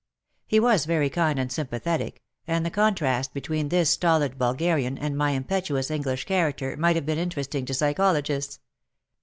He was very kind and sympathetic, and the contrast between this stolid Bulgarian and my impetuous English character might have been interesting to psychologists.